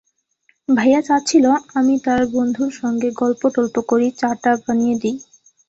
ভাইয়া চাচ্ছিল, আমি তার বন্ধুর সঙ্গে গল্প-টল্প করি, চা-টা বানিয়ে দিই।